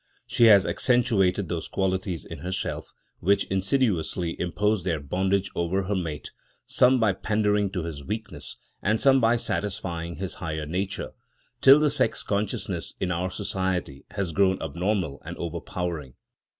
She has accentuated those qualities in herself which insidiously impose their bondage over her mate, some by pandering to his weakness, and some by satisfying his higher nature, till the sex consciousness in our society has grown abnormal and overpowering.